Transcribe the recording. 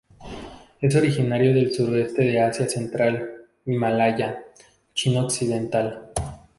Es originario del suroeste de Asia Central, Himalaya, China occidental.